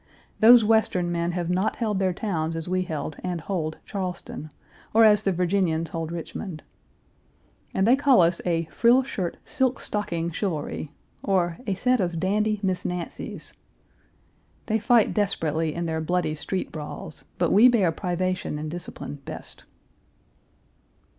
Those Western men have not held their towns as we held and hold Charleston, or as the Virginians hold Richmond. And they call us a "frill shirt, silk stocking chivalry," or "a set of dandy Miss Nancys." They fight desperately in their bloody street brawls, but we bear privation and discipline best.